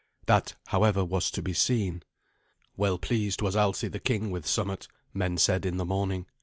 That, however, was to be seen. Well pleased was Alsi the king with somewhat, men said in the morning.